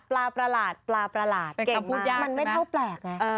ปลาประหลาดปลาประหลาดเก่งมากเป็นคำพูดยากมันไม่เท่าแปลกไงเออ